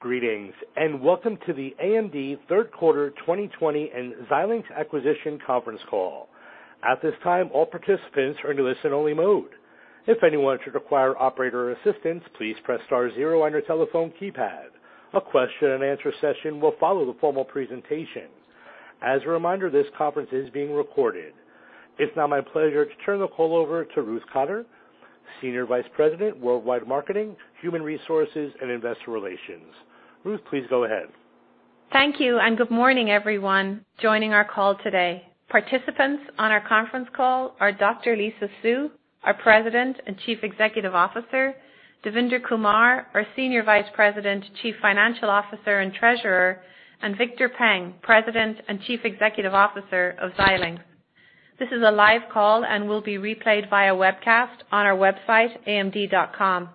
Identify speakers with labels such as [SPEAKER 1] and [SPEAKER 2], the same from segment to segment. [SPEAKER 1] Greetings, welcome to the AMD Third Quarter 2020 and Xilinx Acquisition Conference Call. At this time, all participants are in listen-only mode. If anyone should require operator assistance, please press star zero on your telephone keypad. A question-and-answer session will follow the formal presentation. As a reminder, this conference is being recorded. It's now my pleasure to turn the call over to Ruth Cotter, Senior Vice President, Worldwide Marketing, Human Resources, and Investor Relations. Ruth, please go ahead
[SPEAKER 2] Thank you, and good morning, everyone joining our call today. Participants on our conference call are Dr. Lisa Su, our President and Chief Executive Officer; Devinder Kumar, our Senior Vice President, Chief Financial Officer, and Treasurer; and Victor Peng, President and Chief Executive Officer of Xilinx. This is a live call and will be replayed via webcast on our website, amd.com.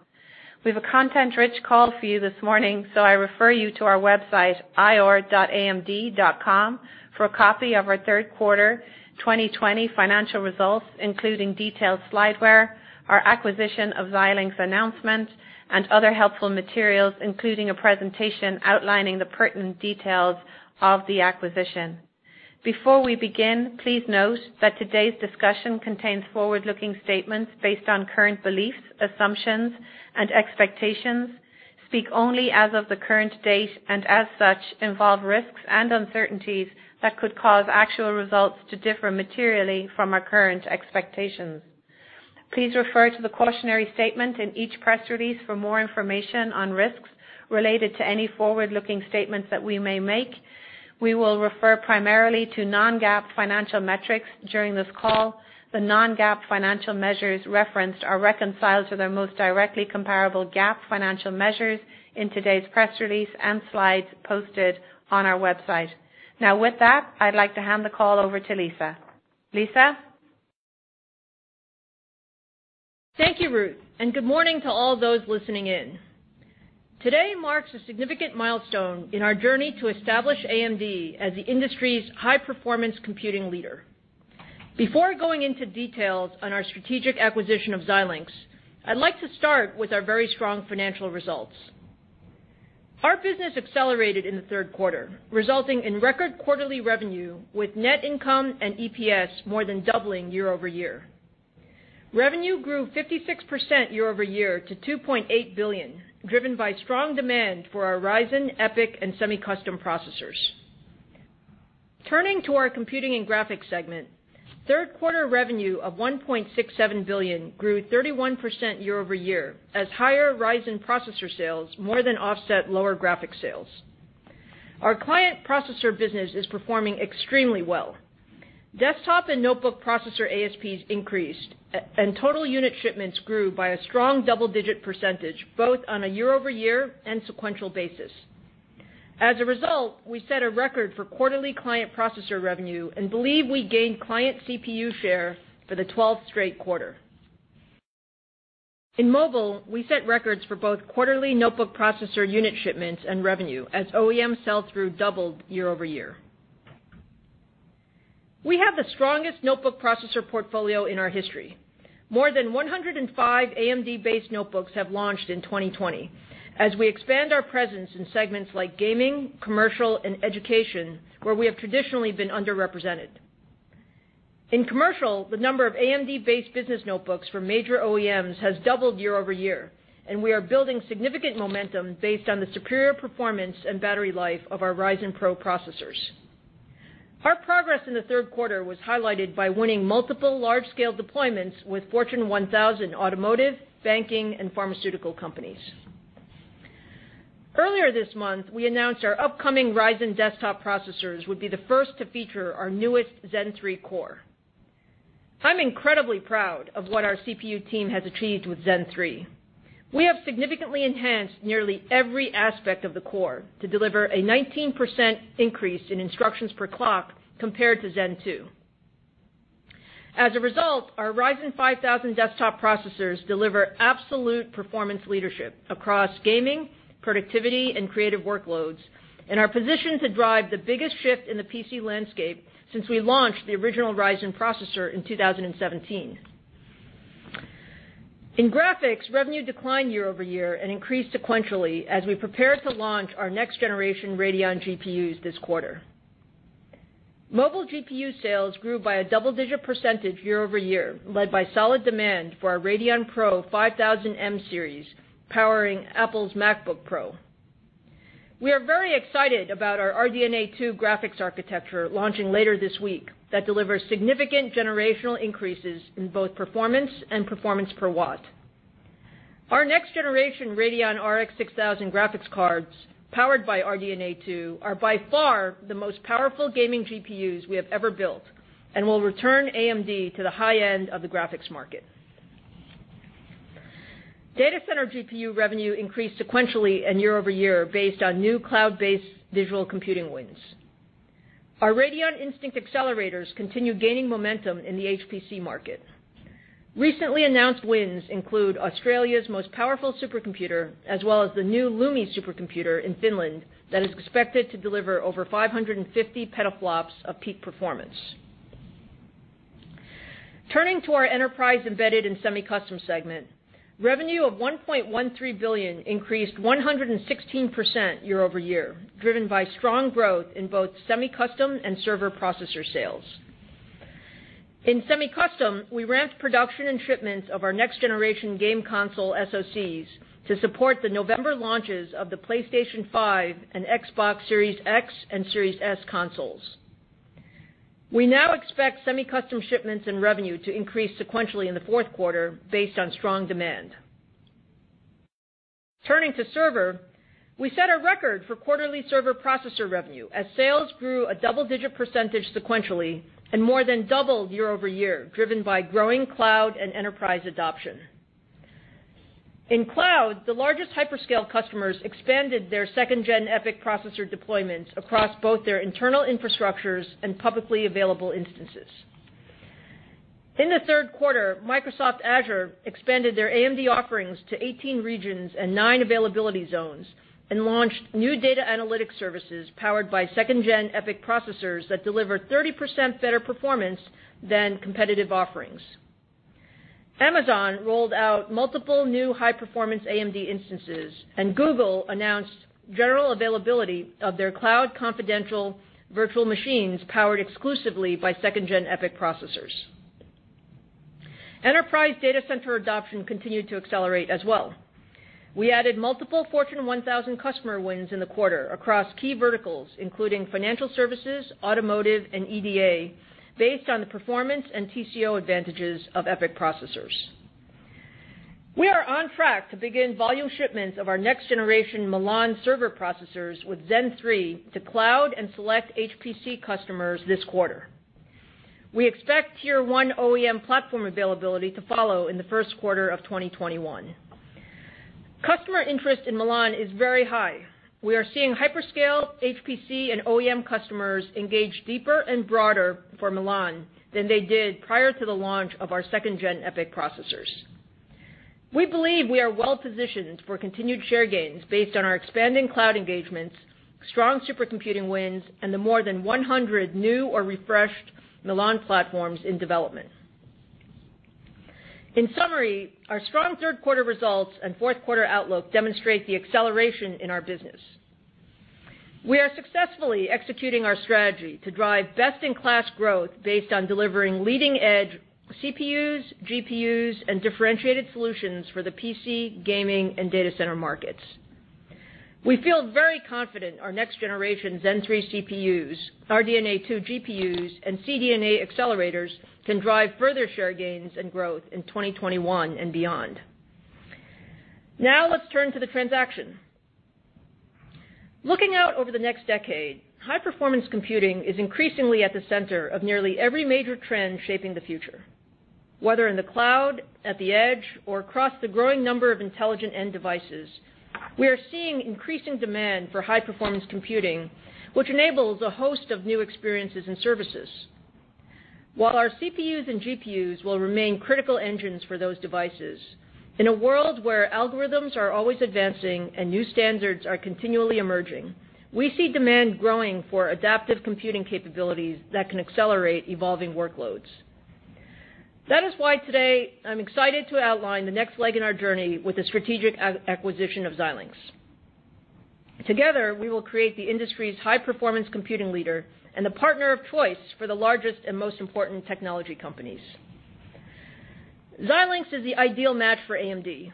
[SPEAKER 2] We have a content-rich call for you this morning, so I refer you to our website, ir.amd.com, for a copy of our third quarter 2020 financial results, including detailed slideware, our acquisition of Xilinx announcement, and other helpful materials, including a presentation outlining the pertinent details of the acquisition. Before we begin, please note that today's discussion contains forward-looking statements based on current beliefs, assumptions, and expectations, speak only as of the current date, and as such, involve risks and uncertainties that could cause actual results to differ materially from our current expectations. Please refer to the cautionary statement in each press release for more information on risks related to any forward-looking statements that we may make. We will refer primarily to non-GAAP financial metrics during this call. The non-GAAP financial measures referenced are reconciled to their most directly comparable GAAP financial measures in today's press release and slides posted on our website. Now, with that, I'd like to hand the call over to Lisa. Lisa?
[SPEAKER 3] Thank you, Ruth, and good morning to all those listening in. Today marks a significant milestone in our journey to establish AMD as the industry's high-performance computing leader. Before going into details on our strategic acquisition of Xilinx, I'd like to start with our very strong financial results. Our business accelerated in the third quarter, resulting in record quarterly revenue, with net income and EPS more than doubling year-over-year. Revenue grew 56% year-over-year to $2.8 billion, driven by strong demand for our Ryzen, EPYC, and semi-custom processors. Turning to our Computing and Graphics segment, third quarter revenue of $1.67 billion grew 31% year-over-year, as higher Ryzen processor sales more than offset lower graphics sales. Our client processor business is performing extremely well. Desktop and notebook processor ASPs increased, and total unit shipments grew by a strong double-digit percentage, both on a year-over-year and sequential basis. As a result, we set a record for quarterly client processor revenue and believe we gained client CPU share for the 12th straight quarter. In mobile, we set records for both quarterly notebook processor unit shipments and revenue, as OEM sell-through doubled year-over-year. We have the strongest notebook processor portfolio in our history. More than 105 AMD-based notebooks have launched in 2020, as we expand our presence in segments like gaming, commercial, and education, where we have traditionally been underrepresented. In commercial, the number of AMD-based business notebooks for major OEMs has doubled year-over-year, and we are building significant momentum based on the superior performance and battery life of our Ryzen PRO processors. Our progress in the third quarter was highlighted by winning multiple large-scale deployments with Fortune 1000 automotive, banking, and pharmaceutical companies. Earlier this month, we announced our upcoming Ryzen desktop processors would be the first to feature our newest Zen 3 core. I'm incredibly proud of what our CPU team has achieved with Zen 3. We have significantly enhanced nearly every aspect of the core to deliver a 19% increase in instructions per clock compared to Zen 2. As a result, our Ryzen 5000 desktop processors deliver absolute performance leadership across gaming, productivity, and creative workloads and are positioned to drive the biggest shift in the PC landscape since we launched the original Ryzen processor in 2017. In graphics, revenue declined year-over-year and increased sequentially as we prepare to launch our next-generation Radeon GPUs this quarter. Mobile GPU sales grew by a double-digit percentage year-over-year, led by solid demand for our Radeon Pro 5000M series powering Apple's MacBook Pro. We are very excited about our RDNA 2 graphics architecture launching later this week that delivers significant generational increases in both performance and performance per watt. Our next-generation Radeon RX 6000 graphics cards, powered by RDNA 2, are by far the most powerful gaming GPUs we have ever built and will return AMD to the high end of the graphics market. Data center GPU revenue increased sequentially and year-over-year based on new cloud-based visual computing wins. Our Radeon Instinct accelerators continue gaining momentum in the HPC market. Recently announced wins include Australia's most powerful supercomputer, as well as the new LUMI supercomputer in Finland that is expected to deliver over 550 petaflops of peak performance. Turning to our Enterprise, Embedded and Semi-Custom segment Revenue of $1.13 billion increased 116% year-over-year, driven by strong growth in both semi-custom and server processor sales. In semi-custom, we ramped production and shipments of our next-generation game console SoCs to support the November launches of the PlayStation 5 and Xbox Series X and Series S consoles. We now expect semi-custom shipments and revenue to increase sequentially in the fourth quarter based on strong demand. Turning to server, we set a record for quarterly server processor revenue as sales grew a double-digit percentage sequentially and more than doubled year-over-year, driven by growing cloud and enterprise adoption. In cloud, the largest hyperscale customers expanded their 2nd Gen EPYC processor deployments across both their internal infrastructures and publicly available instances. In the third quarter, Microsoft Azure expanded their AMD offerings to 18 regions and nine availability zones and launched new data analytics services powered by second-gen EPYC processors that deliver 30% better performance than competitive offerings. Amazon rolled out multiple new high-performance AMD instances, and Google announced general availability of their Cloud Confidential Virtual Machines powered exclusively by second-gen EPYC processors. Enterprise data center adoption continued to accelerate as well. We added multiple Fortune 1000 customer wins in the quarter across key verticals, including financial services, automotive, and EDA, based on the performance and TCO advantages of EPYC processors. We are on track to begin volume shipments of our next-generation Milan server processors with Zen 3 to cloud and select HPC customers this quarter. We expect tier 1 OEM platform availability to follow in the first quarter of 2021. Customer interest in Milan is very high. We are seeing hyperscale, HPC, and OEM customers engage deeper and broader for Milan than they did prior to the launch of our second-gen EPYC processors. We believe we are well-positioned for continued share gains based on our expanding cloud engagements, strong supercomputing wins, and the more than 100 new or refreshed Milan platforms in development. In summary, our strong third quarter results and fourth quarter outlook demonstrate the acceleration in our business. We are successfully executing our strategy to drive best-in-class growth based on delivering leading-edge CPUs, GPUs, and differentiated solutions for the PC, gaming, and data center markets. We feel very confident our next generation Zen 3 CPUs, RDNA 2 GPUs, and CDNA accelerators can drive further share gains and growth in 2021 and beyond. Now let's turn to the transaction. Looking out over the next decade, high-performance computing is increasingly at the center of nearly every major trend shaping the future. Whether in the cloud, at the edge, or across the growing number of intelligent end devices, we are seeing increasing demand for high-performance computing, which enables a host of new experiences and services. While our CPUs and GPUs will remain critical engines for those devices, in a world where algorithms are always advancing and new standards are continually emerging, we see demand growing for adaptive computing capabilities that can accelerate evolving workloads. That is why today I'm excited to outline the next leg in our journey with the strategic acquisition of Xilinx. Together, we will create the industry's high-performance computing leader and the partner of choice for the largest and most important technology companies. Xilinx is the ideal match for AMD.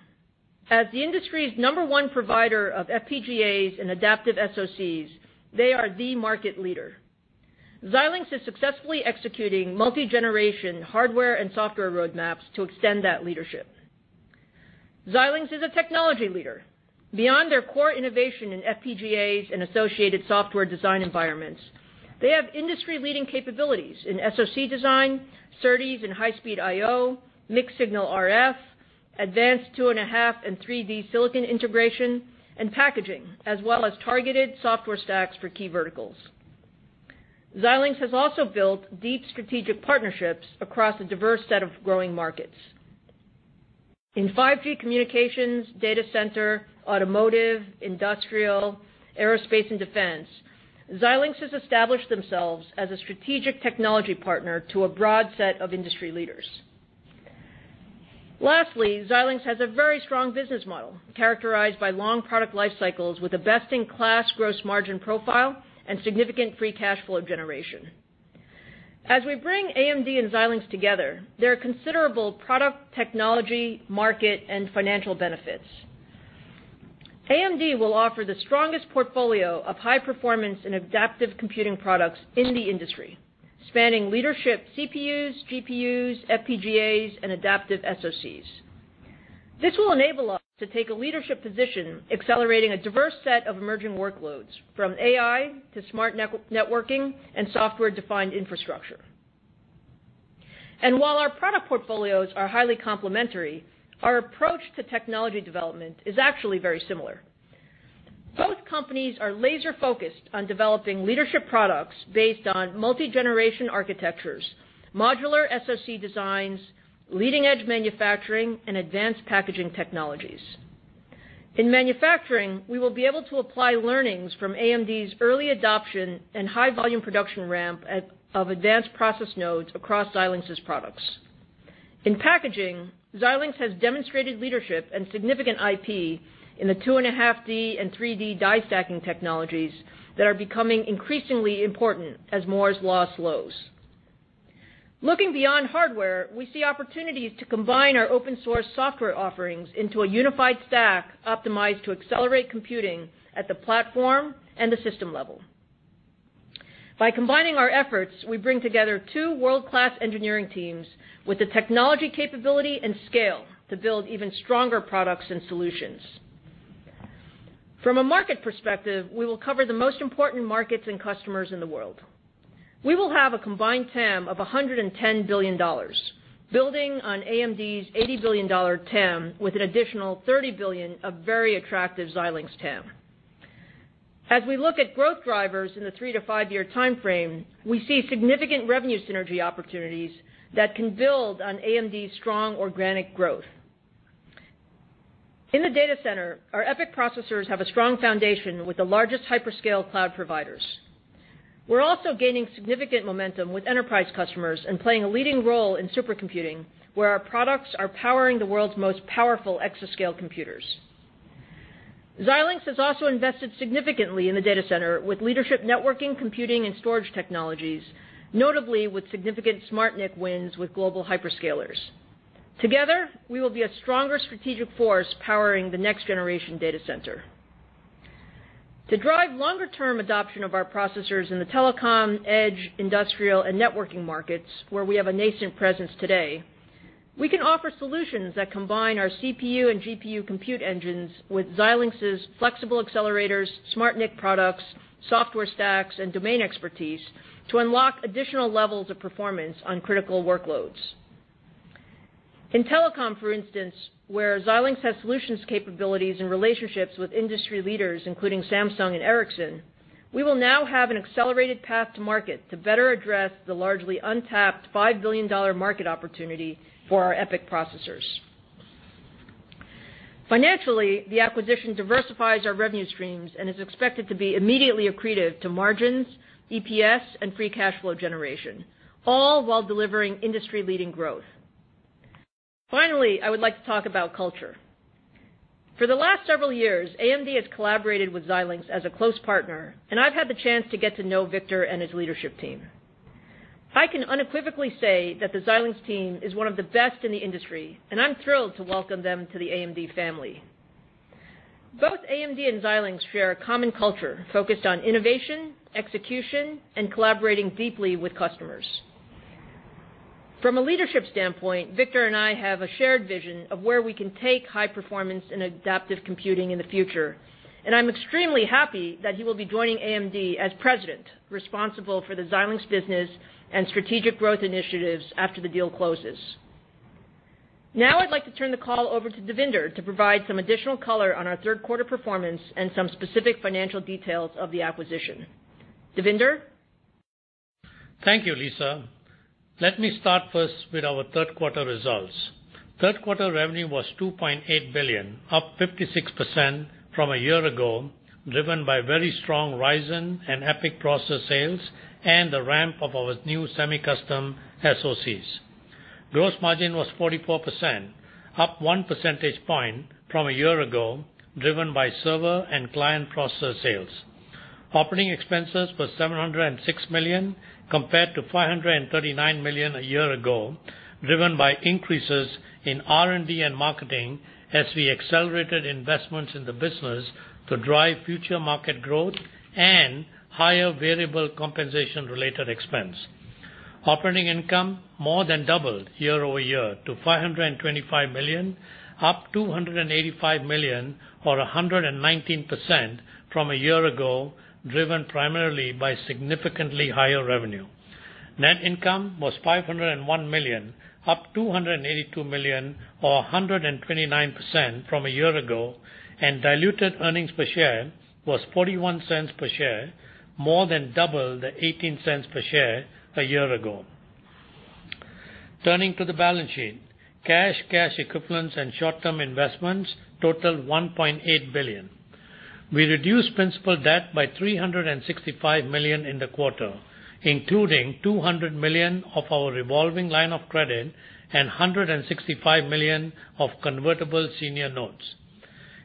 [SPEAKER 3] As the industry's number one provider of FPGAs and adaptive SoCs, they are the market leader. Xilinx is successfully executing multi-generation hardware and software roadmaps to extend that leadership. Xilinx is a technology leader. Beyond their core innovation in FPGAs and associated software design environments, they have industry-leading capabilities in SoC design, SerDes and high-speed I/O, mixed-signal RF, advanced 2.5D and 3D silicon integration, and packaging, as well as targeted software stacks for key verticals. Xilinx has also built deep strategic partnerships across a diverse set of growing markets. In 5G communications, data center, automotive, industrial, aerospace, and defense, Xilinx has established themselves as a strategic technology partner to a broad set of industry leaders. Lastly, Xilinx has a very strong business model characterized by long product life cycles with a best-in-class gross margin profile and significant free cash flow generation. As we bring AMD and Xilinx together, there are considerable product, technology, market, and financial benefits. AMD will offer the strongest portfolio of high performance and adaptive computing products in the industry, spanning leadership CPUs, GPUs, FPGAs, and adaptive SoCs. This will enable us to take a leadership position, accelerating a diverse set of emerging workloads—from AI to smart networking and software-defined infrastructure. While our product portfolios are highly complementary, our approach to technology development is actually very similar. Both companies are laser-focused on developing leadership products based on multi-generation architectures, modular SoC designs, leading-edge manufacturing, and advanced packaging technologies. In manufacturing, we will be able to apply learnings from AMD's early adoption and high volume production ramp of advanced process nodes across Xilinx's products. In packaging, Xilinx has demonstrated leadership and significant IP in the 2.5D and 3D die stacking technologies that are becoming increasingly important as Moore's law slows. Looking beyond hardware, we see opportunities to combine our open source software offerings into a unified stack optimized to accelerate computing at the platform and the system level. By combining our efforts, we bring together two world-class engineering teams with the technology, capability, and scale to build even stronger products and solutions. From a market perspective, we will cover the most important markets and customers in the world. We will have a combined TAM of $110 billion, building on AMD's $80 billion TAM with an additional $30 billion of very attractive Xilinx TAM. As we look at growth drivers in the three to five-year timeframe, we see significant revenue synergy opportunities that can build on AMD's strong organic growth. In the data center, our EPYC processors have a strong foundation with the largest hyperscale cloud providers. We're also gaining significant momentum with enterprise customers and playing a leading role in supercomputing, where our products are powering the world's most powerful exascale computers. Xilinx has also invested significantly in the data center with leadership, networking, computing, and storage technologies, notably with significant SmartNIC wins with global hyperscalers. Together, we will be a stronger strategic force powering the next generation data center. To drive longer-term adoption of our processors in the telecom, edge, industrial, and networking markets, where we have a nascent presence today, we can offer solutions that combine our CPU and GPU compute engines with Xilinx's flexible accelerators, SmartNIC products, software stacks, and domain expertise to unlock additional levels of performance on critical workloads. In telecom, for instance, where Xilinx has solutions, capabilities, and relationships with industry leaders, including Samsung and Ericsson, we will now have an accelerated path to market to better address the largely untapped $5 billion market opportunity for our EPYC processors. Financially, the acquisition diversifies our revenue streams and is expected to be immediately accretive to margins, EPS, and free cash flow generation, all while delivering industry-leading growth. I would like to talk about culture. For the last several years, AMD has collaborated with Xilinx as a close partner, and I've had the chance to get to know Victor and his leadership team. I can unequivocally say that the Xilinx team is one of the best in the industry, and I'm thrilled to welcome them to the AMD family. Both AMD and Xilinx share a common culture focused on innovation, execution, and collaborating deeply with customers. From a leadership standpoint, Victor and I have a shared vision of where we can take high performance and adaptive computing in the future. I'm extremely happy that he will be joining AMD as President, responsible for the Xilinx business and strategic growth initiatives after the deal closes. I'd like to turn the call over to Devinder to provide some additional color on our third quarter performance and some specific financial details of the acquisition. Devinder?
[SPEAKER 4] Thank you, Lisa. Let me start first with our third quarter results. Third quarter revenue was $2.8 billion, up 56% from a year ago, driven by very strong Ryzen and EPYC processor sales and the ramp of our new semi-custom SoCs. Gross margin was 44%, up one percentage point from a year ago, driven by server and client processor sales. Operating expenses were $706 million compared to $539 million a year ago, driven by increases in R&D and marketing as we accelerated investments in the business to drive future market growth and higher variable compensation-related expense. Operating income more than doubled year-over-year to $525 million, up $285 million or 119% from a year ago, driven primarily by significantly higher revenue. Net income was $501 million, up $282 million or 129% from a year ago, and diluted earnings per share was $0.41 per share, more than double the $0.18 per share a year ago. Turning to the balance sheet. Cash, cash equivalents, and short-term investments totaled $1.8 billion. We reduced principal debt by $365 million in the quarter, including $200 million of our revolving line of credit and $165 million of convertible senior notes.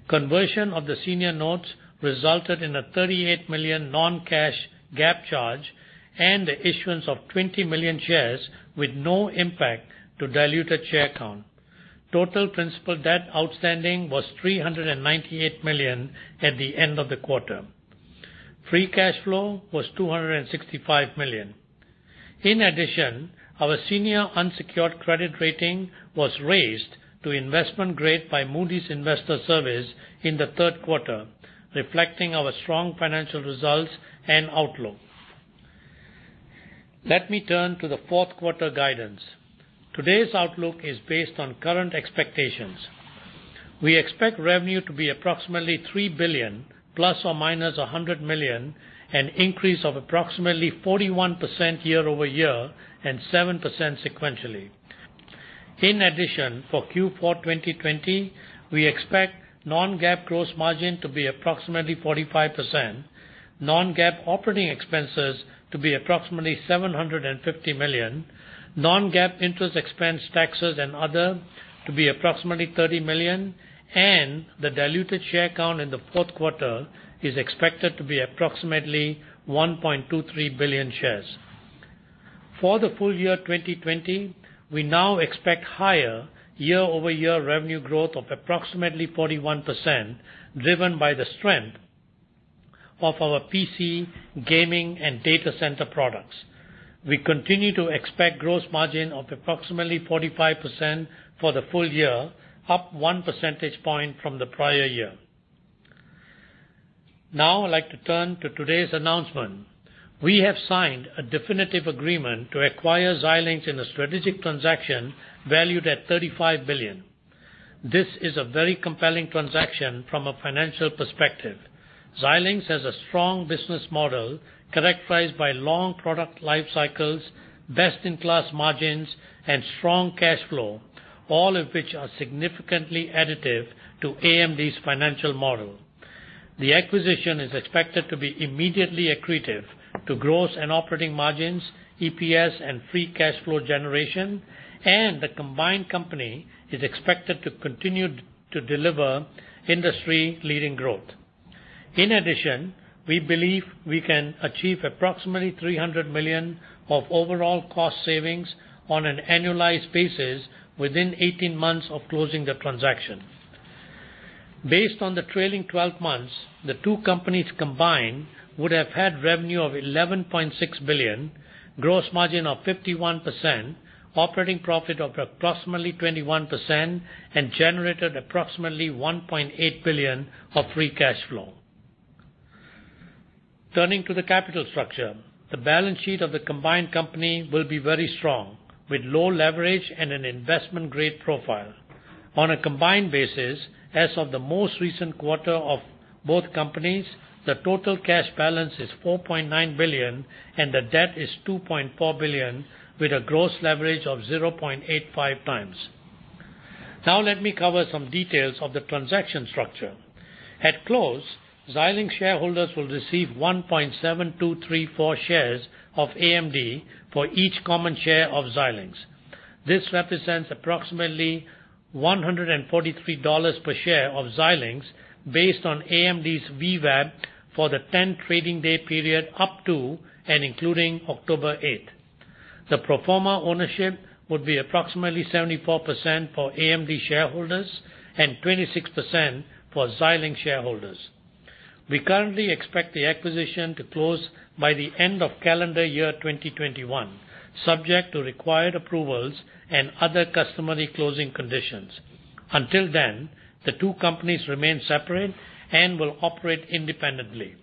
[SPEAKER 4] Conversion of the senior notes resulted in a $38 million non-cash GAAP charge and the issuance of 20 million shares with no impact to diluted share count. Total principal debt outstanding was $398 million at the end of the quarter. Free cash flow was $265 million. In addition, our senior unsecured credit rating was raised to investment grade by Moody's Investors Service in the third quarter, reflecting our strong financial results and outlook. Let me turn to the fourth quarter guidance. Today's outlook is based on current expectations. We expect revenue to be approximately $3 billion ±$100 million, an increase of approximately 41% year-over-year and 7% sequentially. For Q4 2020, we expect non-GAAP gross margin to be approximately 45%, non-GAAP operating expenses to be approximately $750 million, non-GAAP interest expense, taxes, and other to be approximately $30 million, and the diluted share count in the fourth quarter is expected to be approximately 1.23 billion shares. For the full year 2020, we now expect higher year-over-year revenue growth of approximately 41%, driven by the strength of our PC, gaming, and data center products. We continue to expect gross margin of approximately 45% for the full year, up one percentage point from the prior year. I'd like to turn to today's announcement. We have signed a definitive agreement to acquire Xilinx in a strategic transaction valued at $35 billion. This is a very compelling transaction from a financial perspective. Xilinx has a strong business model characterized by long product life cycles, best-in-class margins, and strong cash flow, all of which are significantly additive to AMD's financial model. The acquisition is expected to be immediately accretive to gross and operating margins, EPS, and free cash flow generation. The combined company is expected to continue to deliver industry-leading growth. In addition, we believe we can achieve approximately $300 million of overall cost savings on an annualized basis within 18 months of closing the transaction. Based on the trailing 12 months, the two companies combined would have had revenue of $11.6 billion, gross margin of 51%, operating profit of approximately 21%, and generated approximately $1.8 billion of free cash flow. Turning to the capital structure, the balance sheet of the combined company will be very strong, with low leverage and an investment-grade profile. On a combined basis, as of the most recent quarter of both companies, the total cash balance is $4.9 billion, and the debt is $2.4 billion, with a gross leverage of 0.85 times. Let me cover some details of the transaction structure. At close, Xilinx shareholders will receive 1.7234 shares of AMD for each common share of Xilinx. This represents approximately $143 per share of Xilinx based on AMD's VWAP for the 10-trading-day period up to and including October 8th. The pro forma ownership would be approximately 74% for AMD shareholders and 26% for Xilinx shareholders. We currently expect the acquisition to close by the end of calendar year 2021, subject to required approvals and other customary closing conditions. Until then, the two companies remain separate and will operate independently.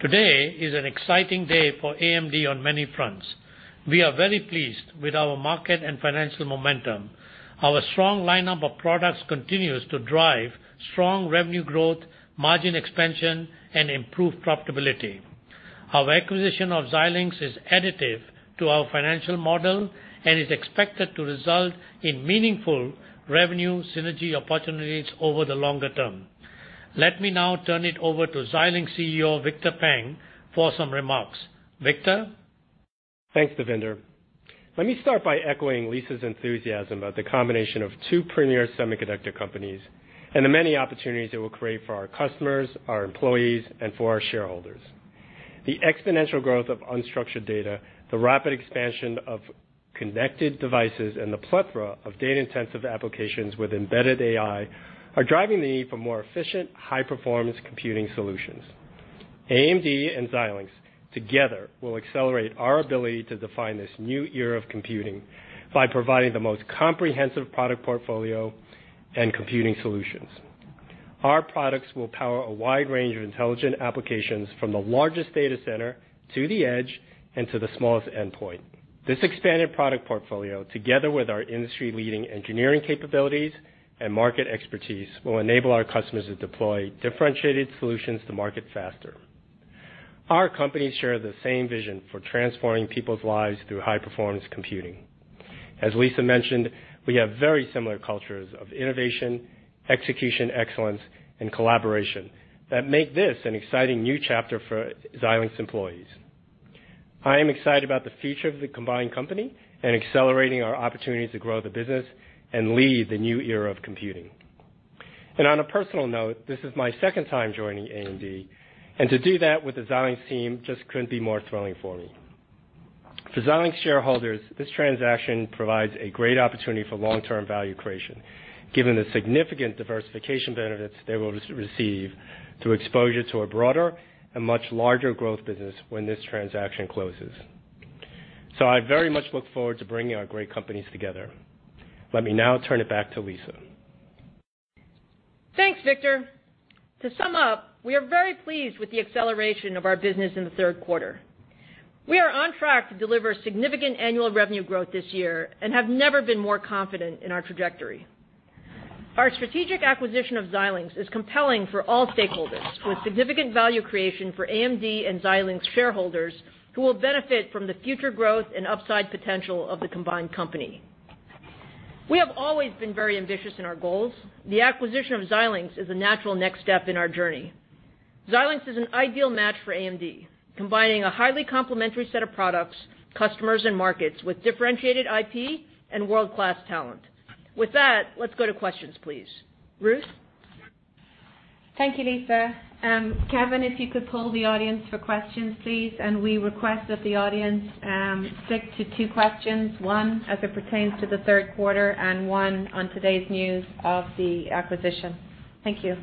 [SPEAKER 4] Today is an exciting day for AMD on many fronts. We are very pleased with our market and financial momentum. Our strong lineup of products continues to drive strong revenue growth, margin expansion, and improved profitability. Our acquisition of Xilinx is additive to our financial model and is expected to result in meaningful revenue synergy opportunities over the longer term. Let me now turn it over to Xilinx CEO Victor Peng for some remarks. Victor?
[SPEAKER 5] Thanks, Devinder. Let me start by echoing Lisa's enthusiasm about the combination of two premier semiconductor companies and the many opportunities it will create for our customers, our employees, and for our shareholders. The exponential growth of unstructured data, the rapid expansion of connected devices, and the plethora of data-intensive applications with embedded AI are driving the need for more efficient, high-performance computing solutions. AMD and Xilinx together will accelerate our ability to define this new era of computing by providing the most comprehensive product portfolio and computing solutions. Our products will power a wide range of intelligent applications from the largest data center to the edge and to the smallest endpoint. This expanded product portfolio, together with our industry-leading engineering capabilities and market expertise, will enable our customers to deploy differentiated solutions to market faster. Our companies share the same vision for transforming people's lives through high-performance computing. As Lisa mentioned, we have very similar cultures of innovation, execution excellence, and collaboration that make this an exciting new chapter for Xilinx employees. I am excited about the future of the combined company and accelerating our opportunity to grow the business and lead the new era of computing. On a personal note, this is my second time joining AMD, and to do that with the Xilinx team just couldn't be more thrilling for me. For Xilinx shareholders, this transaction provides a great opportunity for long-term value creation, given the significant diversification benefits they will receive through exposure to a broader and much larger growth business when this transaction closes. I very much look forward to bringing our great companies together. Let me now turn it back to Lisa.
[SPEAKER 3] Thanks, Victor. To sum up, we are very pleased with the acceleration of our business in the third quarter. We are on track to deliver significant annual revenue growth this year and have never been more confident in our trajectory. Our strategic acquisition of Xilinx is compelling for all stakeholders, with significant value creation for AMD and Xilinx shareholders, who will benefit from the future growth and upside potential of the combined company. We have always been very ambitious in our goals. The acquisition of Xilinx is the natural next step in our journey. Xilinx is an ideal match for AMD, combining a highly complementary set of products, customers, and markets with differentiated IP and world-class talent. With that, let's go to questions, please. Ruth?
[SPEAKER 2] Thank you, Lisa. Kevin, if you could poll the audience for questions, please. We request that the audience stick to two questions, one as it pertains to the third quarter and one on today's news of the acquisition. Thank you.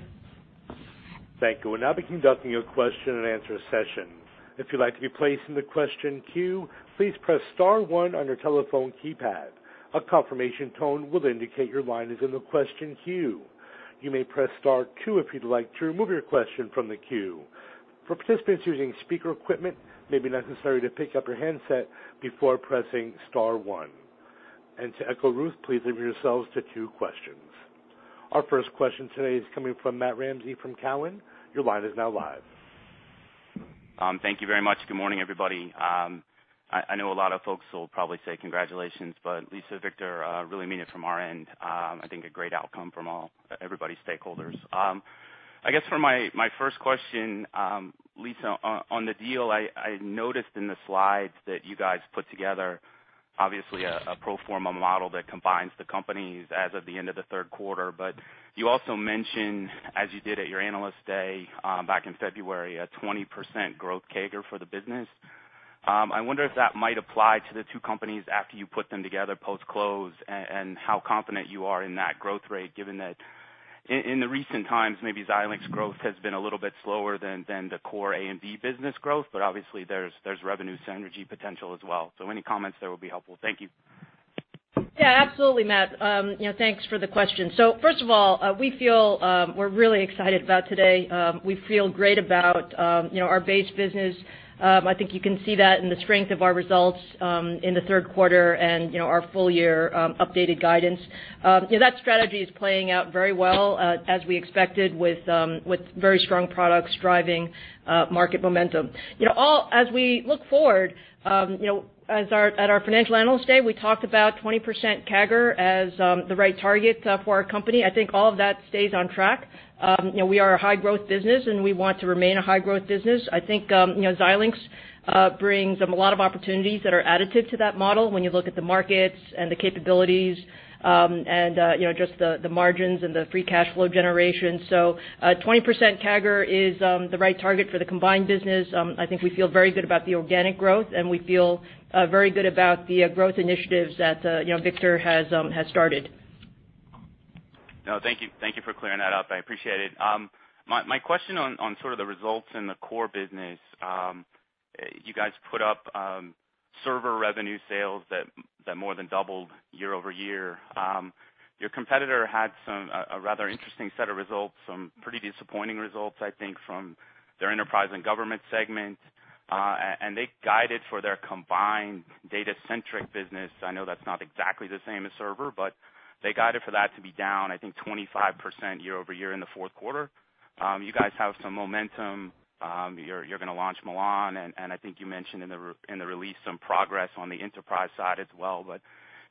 [SPEAKER 1] Thank you. We'll now be conducting a question and answer session. If you'd like to be placed in the question queue, please press star one on your telephone keypad. A confirmation tone will indicate your line is in the question queue. You may press star two if you'd like to remove your question from the queue. For participants using speaker equipment, it may be necessary to pick up your handset before pressing star one. To echo Ruth, please limit yourselves to two questions. Our first question today is coming from Matt Ramsay from Cowen. Your line is now live.
[SPEAKER 6] Thank you very much. Good morning, everybody. I know a lot of folks will probably say congratulations, Lisa, Victor, really mean it from our end. I think a great outcome from everybody, stakeholders. I guess for my first question, Lisa, on the deal, I noticed in the slides that you guys put together, obviously a pro forma model that combines the companies as of the end of the third quarter. You also mentioned, as you did at your Analyst Day back in February, a 20% growth CAGR for the business. I wonder if that might apply to the two companies after you put them together post-close and how confident you are in that growth rate, given that in the recent times, maybe Xilinx growth has been a little bit slower than the core AMD business growth. Obviously, there's revenue synergy potential as well. Any comments there will be helpful. Thank you.
[SPEAKER 3] Yeah, absolutely, Matt. Thanks for the question. First of all, we feel we're really excited about today. We feel great about our base business. I think you can see that in the strength of our results in the third quarter and our full year updated guidance. That strategy is playing out very well, as we expected, with very strong products driving market momentum. As we look forward, at our Financial Analyst Day, we talked about 20% CAGR as the right target for our company. I think all of that stays on track. We are a high-growth business, and we want to remain a high-growth business. I think Xilinx brings a lot of opportunities that are additive to that model when you look at the markets and the capabilities, and just the margins and the free cash flow generation. 20% CAGR is the right target for the combined business. I think we feel very good about the organic growth, and we feel very good about the growth initiatives that Victor has started.
[SPEAKER 6] No, thank you. Thank you for clearing that up. I appreciate it. My question on sort of the results in the core business. You guys put up server revenue sales that more than doubled year-over-year. Your competitor had a rather interesting set of results, some pretty disappointing results, I think, from their enterprise and government segment. They guided for their combined data-centric business. I know that's not exactly the same as server, they guided for that to be down, I think 25% year-over-year in the fourth quarter. You guys have some momentum. You're going to launch Milan, I think you mentioned in the release some progress on the enterprise side as well.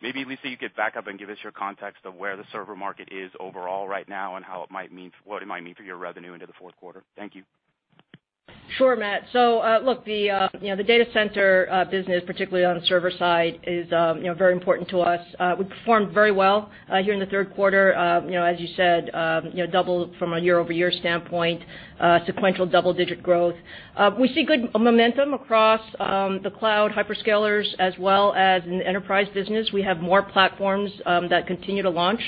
[SPEAKER 6] Maybe, Lisa, you could back up and give us your context of where the server market is overall right now and what it might mean for your revenue into the fourth quarter. Thank you.
[SPEAKER 3] Sure, Matt. Look, the data center business, particularly on the server side, is very important to us. We performed very well here in the third quarter. As you said, doubled from a year-over-year standpoint, sequential double-digit growth. We see good momentum across the cloud hyperscalers as well as in the enterprise business. We have more platforms that continue to launch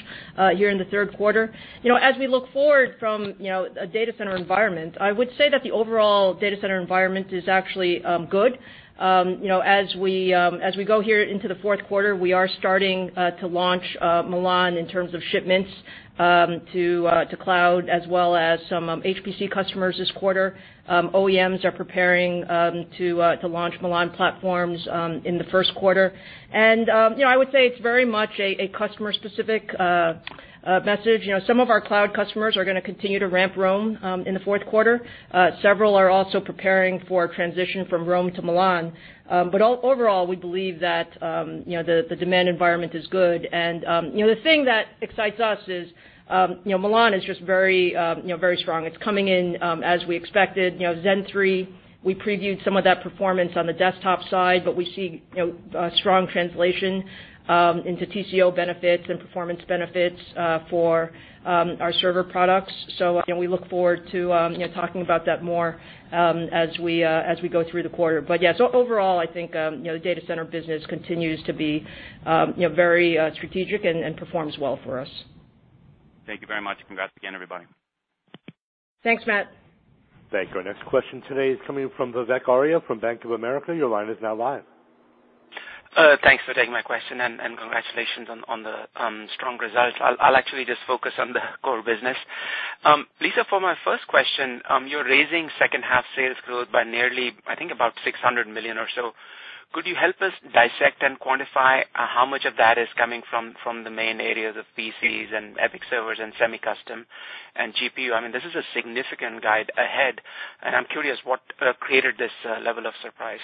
[SPEAKER 3] here in the third quarter. As we look forward from a data center environment, I would say that the overall data center environment is actually good. As we go here into the fourth quarter, we are starting to launch Milan in terms of shipments to cloud as well as some HPC customers this quarter. OEMs are preparing to launch Milan platforms in the first quarter. I would say it's very much a customer-specific message. Some of our cloud customers are going to continue to ramp Rome in the fourth quarter. Several are also preparing for transition from Rome to Milan. Overall, we believe that the demand environment is good. The thing that excites us is Milan is just very strong. It's coming in as we expected. Zen 3, we previewed some of that performance on the desktop side. We see a strong translation into TCO benefits and performance benefits for our server products. We look forward to talking about that more as we go through the quarter. Overall, I think the data center business continues to be very strategic and performs well for us.
[SPEAKER 6] Thank you very much. Congrats again, everybody.
[SPEAKER 3] Thanks, Matt.
[SPEAKER 1] Thank you. Our next question today is coming from Vivek Arya from Bank of America. Your line is now live.
[SPEAKER 7] Thanks for taking my question and congratulations on the strong results. I'll actually just focus on the core business. Lisa, for my first question, you're raising second half sales growth by nearly, I think, about $600 million or so. Could you help us dissect and quantify how much of that is coming from the main areas of PCs and EPYC servers and semi-custom and GPU? This is a significant guide ahead, and I'm curious what created this level of surprise.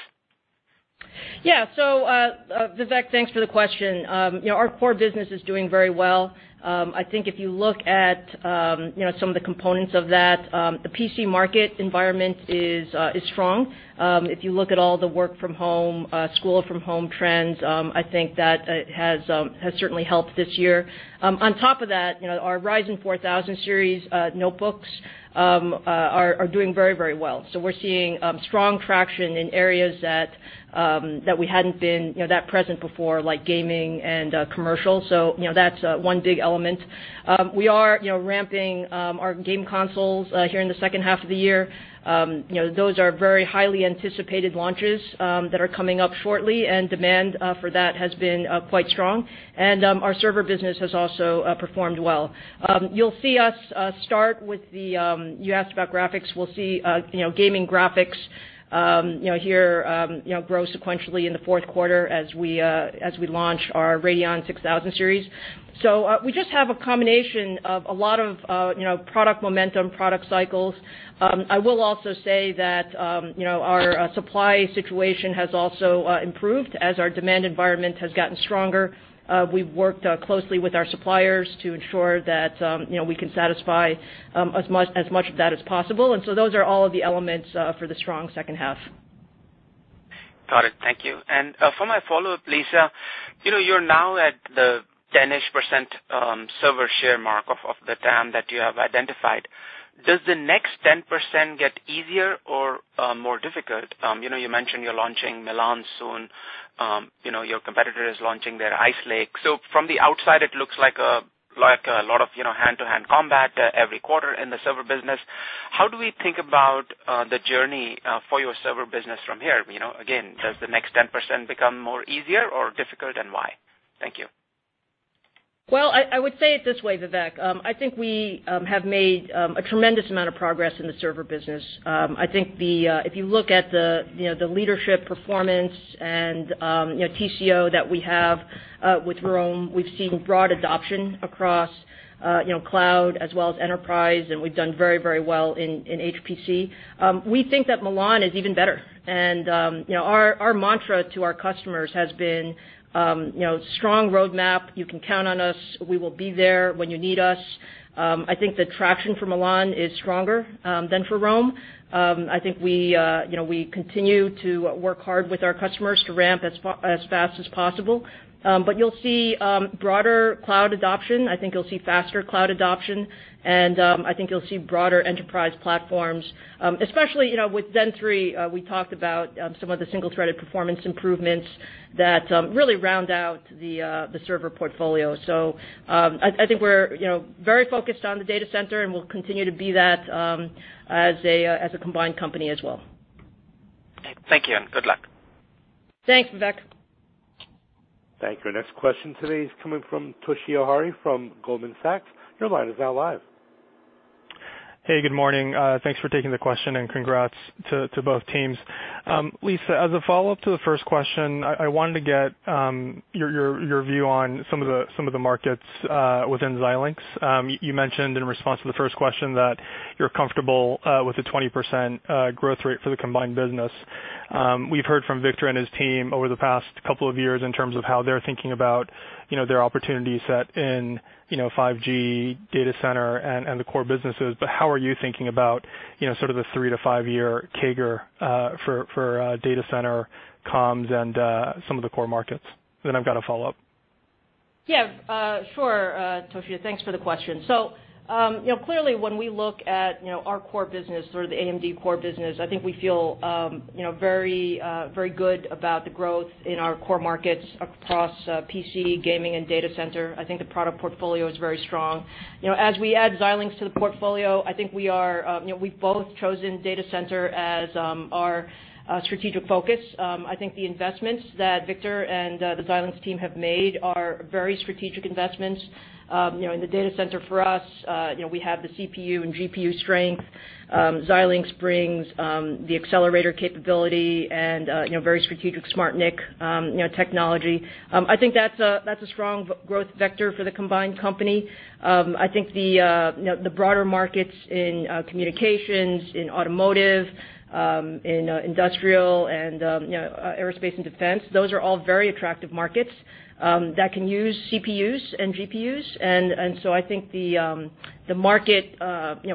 [SPEAKER 3] Vivek, thanks for the question. Our core business is doing very well. I think if you look at some of the components of that, the PC market environment is strong. If you look at all the work from home, school from home trends, I think that has certainly helped this year. On top of that, our Ryzen 4000 series notebooks are doing very well. We're seeing strong traction in areas that we hadn't been that present before, like gaming and commercial. That's one big element. We are ramping our game consoles here in the second half of the year. Those are very highly anticipated launches that are coming up shortly, demand for that has been quite strong. Our server business has also performed well. You'll see us start with You asked about graphics. We'll see gaming graphics here grow sequentially in the fourth quarter as we launch our Radeon 6000 series. We just have a combination of a lot of product momentum, product cycles. I will also say that our supply situation has also improved as our demand environment has gotten stronger. We've worked closely with our suppliers to ensure that we can satisfy as much of that as possible. Those are all of the elements for the strong second half.
[SPEAKER 7] Got it. Thank you. For my follow-up, Lisa, you're now at the 10-ish% server share mark of the TAM that you have identified. Does the next 10% get easier or more difficult? You mentioned you're launching Milan soon. Your competitor is launching their Ice Lake. From the outside, it looks like a lot of hand-to-hand combat every quarter in the server business. How do we think about the journey for your server business from here? Again, does the next 10% become more easier or difficult, and why? Thank you.
[SPEAKER 3] Well, I would say it this way, Vivek. I think we have made a tremendous amount of progress in the server business. I think if you look at the leadership performance and TCO that we have with Rome, we've seen broad adoption across cloud as well as enterprise, and we've done very well in HPC. We think that Milan is even better, and our mantra to our customers has been strong roadmap. You can count on us. We will be there when you need us. I think the traction for Milan is stronger than for Rome. I think we continue to work hard with our customers to ramp as fast as possible. You'll see broader cloud adoption. I think you'll see faster cloud adoption, and I think you'll see broader enterprise platforms. Especially, with Zen 3, we talked about some of the single-threaded performance improvements that really round out the server portfolio. I think we're very focused on the data center, and we'll continue to be that as a combined company as well.
[SPEAKER 7] Thank you, and good luck.
[SPEAKER 3] Thanks, Vivek.
[SPEAKER 1] Thank you. Our next question today is coming from Toshiya Hari from Goldman Sachs. Your line is now live.
[SPEAKER 8] Hey, good morning. Thanks for taking the question, and congrats to both teams. Lisa, as a follow-up to the first question, I wanted to get your view on some of the markets within Xilinx. You mentioned in response to the first question that you're comfortable with the 20% growth rate for the combined business. We've heard from Victor and his team over the past couple of years in terms of how they're thinking about their opportunity set in 5G data center and the core businesses. How are you thinking about sort of the three to five-year CAGR for data center comms and some of the core markets? I've got a follow-up.
[SPEAKER 3] Yeah. Sure. Toshiya, thanks for the question. Clearly, when we look at our core business or the AMD core business, I think we feel very good about the growth in our core markets across PC, gaming, and data center. I think the product portfolio is very strong. As we add Xilinx to the portfolio, I think we've both chosen data center as our strategic focus. I think the investments that Victor and the Xilinx team have made are very strategic investments. In the data center for us, we have the CPU and GPU strength. Xilinx brings the accelerator capability and very strategic SmartNIC technology. I think that's a strong growth vector for the combined company. I think the broader markets in communications, in automotive, in industrial, and aerospace and defense, those are all very attractive markets that can use CPUs and GPUs. I think the market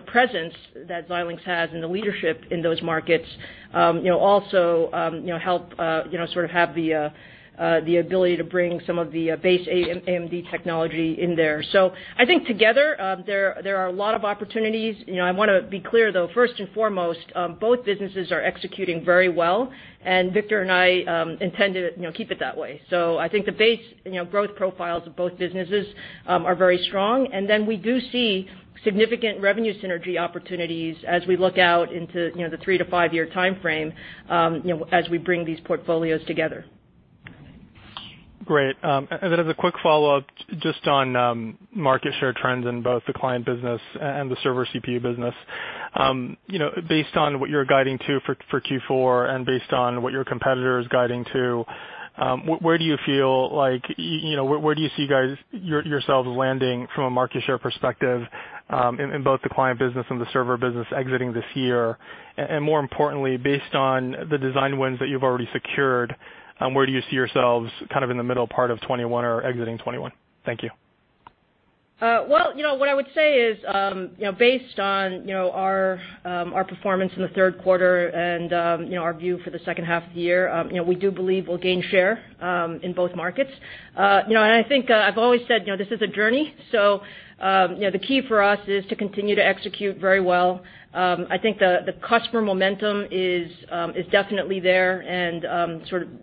[SPEAKER 3] presence that Xilinx has and the leadership in those markets also help sort of have the ability to bring some of the base AMD technology in there. I think together, there are a lot of opportunities. I want to be clear, though, first and foremost, both businesses are executing very well, and Victor and I intend to keep it that way. I think the base growth profiles of both businesses are very strong, and then we do see significant revenue synergy opportunities as we look out into the three- to five-year timeframe as we bring these portfolios together.
[SPEAKER 8] Great. As a quick follow-up just on market share trends in both the client business and the server CPU business. Based on what you're guiding to for Q4 and based on what your competitor is guiding to, where do you see yourselves landing from a market share perspective in both the client business and the server business exiting this year? More importantly, based on the design wins that you've already secured, where do you see yourselves in the middle part of 2021 or exiting 2021? Thank you.
[SPEAKER 3] Well, what I would say is, based on our performance in the third quarter and our view for the second half of the year, we do believe we'll gain share in both markets. I think I've always said, this is a journey, so the key for us is to continue to execute very well. I think the customer momentum is definitely there and